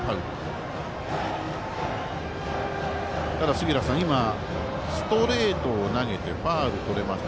杉浦さん、今ストレートを投げてファウル、とれました。